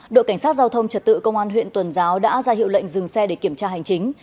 đội cảnh sát giao thông trật tự công an huyện tuần giáo đã ra hiệu lệnh dừng xe để kiểm tra hành chính